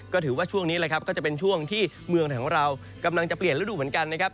ก็ถือว่าช่วงนี้แหละครับก็จะเป็นช่วงที่เมืองไทยของเรากำลังจะเปลี่ยนฤดูเหมือนกันนะครับ